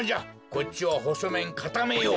こっちはほそめんかためよう。